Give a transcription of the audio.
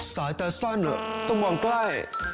สายตาสั้นต้องมองใกล้